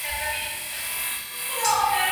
باید د منډېلا یادښتونه د ژوند په هر پړاو کې ولولو.